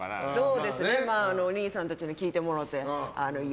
お兄さんたちに聞いてもろて。